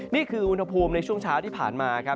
นี่คือวุฒีวุฒีในช่วงเช้าที่ผ่านมา